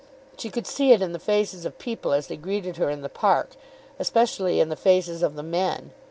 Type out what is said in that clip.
She could see it in the faces of people as they greeted her in the park, especially in the faces of the men.